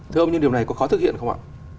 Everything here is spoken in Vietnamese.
thưa ông những điều này có khó thực hiện không ạ